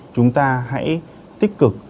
chúng ta hãy tích cực